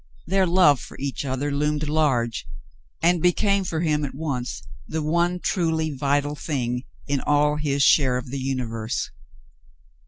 Their love for each other loomed large, and became for him at once the one truly vital thing in all his share of the universe.